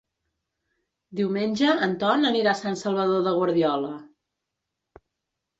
Diumenge en Ton anirà a Sant Salvador de Guardiola.